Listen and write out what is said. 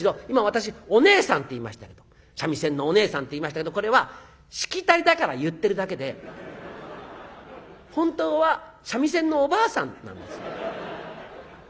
今私「おねえさん」って言いましたけど三味線のおねえさんって言いましたけどこれはしきたりだから言ってるだけで本当は三味線のおばあさんなんですよ。